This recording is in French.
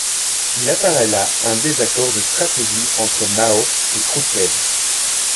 Il apparait là un désaccord de stratégie entre Mao et Khrouchtchev.